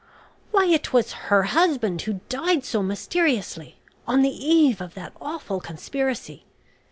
"Why it was her husband who died so mysteriously, on the eve of that awful conspiracy.